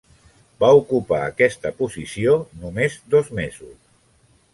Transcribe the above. Va ocupar aquesta posició només dos mesos.